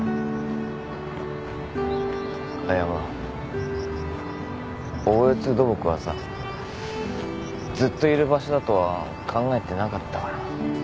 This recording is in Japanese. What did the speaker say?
あっいやほら大悦土木はさずっといる場所だとは考えてなかったから。